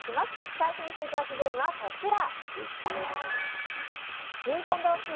対戦していただくゲームはこちら。